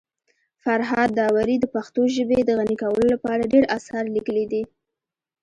فرهاد داوري د پښتو ژبي د غني کولو لپاره ډير اثار لیکلي دي.